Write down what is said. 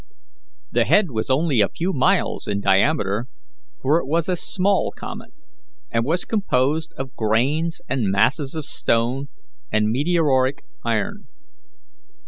The head was only a few miles in diameter, for it was a small comet, and was composed of grains and masses of stone and meteoric iron.